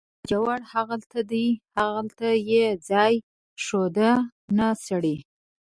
باجوړ هغلته دی، هغلته یې ځای ښوده، نه سړی.